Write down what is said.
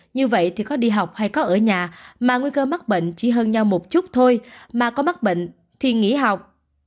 như vậy thì có đi học hay có ở nhà mà nguy cơ mắc bệnh chỉ hơn nhau một chút thôi mà có mắc bệnh thì nghỉ học